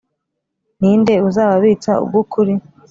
ni nde uzababitsa ubw’ukuri?